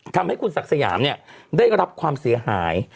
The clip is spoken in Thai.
ทำให้คุณศักดิ์สยามเนี่ยได้รับความเสียหาย